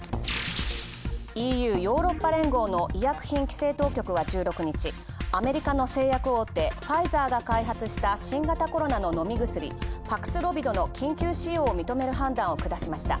ＥＵ＝ヨーロッパ連合の医薬品規制当局は１６日、アメリカの製薬大手ファイザーが開発した新型コロナの飲み薬、パクスロビドの緊急使用を認める判断を下しました。